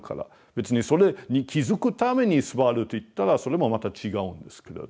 別にそれに気付くために座るといったらそれもまた違うんですけれども。